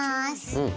うん。